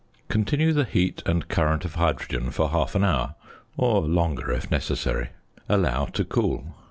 Continue the heat and current of hydrogen for half an hour (or longer, if necessary). Allow to cool.